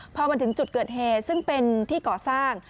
พอมาถึงจุดเกิดเหตุซึ่งเป็นที่ก่อสร้าง